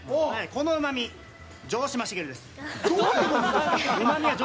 このうま味、城島茂です。